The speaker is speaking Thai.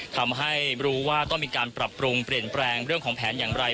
ทำให้รู้ว่าต้องมีการปรับปรุงเปลี่ยนแปลงเรื่องของแผนอย่างไร